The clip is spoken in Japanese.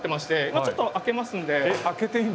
今ちょっと開けますんで。